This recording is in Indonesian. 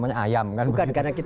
bukan karena kita mengerti